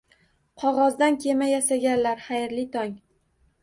Qog'ozdan kema yasaganlar, xayrli tong!